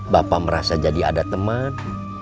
bapak merasa jadi ada teman